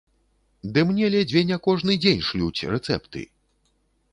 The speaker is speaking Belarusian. Ды мне ледзьве не кожны дзень шлюць рэцэпты!